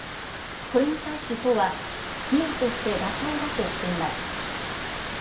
これに対し都は費用として妥当だとしています。